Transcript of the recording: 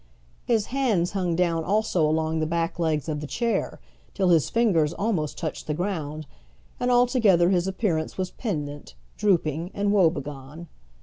His hands hung down also along the back legs of the chair, till his fingers almost touched the ground, and altogether his appearance was pendent, drooping, and wobegone.